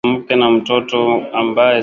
ana mke na na mtoto ambaye si